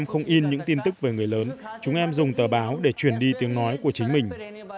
không in những tin tức về người lớn chúng em dùng tờ báo để chuyển đi tiếng nói của chính mình